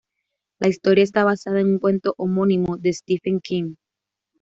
La historia está basada en un cuento homónimo de Stephen King.